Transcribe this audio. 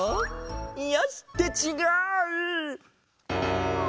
よし！ってちがう！